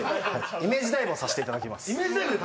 イメージダイブをさせていただきます。